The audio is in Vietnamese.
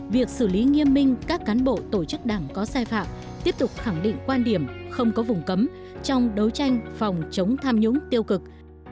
việc xử lý nghiêm minh các cán bộ tổ chức đảng có sai phạm tiếp tục khẳng định quan điểm không có vùng cấm trong đấu tranh phòng chống tham nhũng tiêu cực